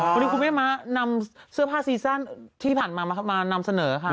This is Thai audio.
วันนี้คุณแม่ม้านำเสื้อผ้าซีซั่นที่ผ่านมามานำเสนอค่ะ